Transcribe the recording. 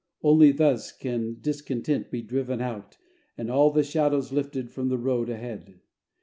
Only thus can discontent be driven out and all the shadows lifted from the road ahead.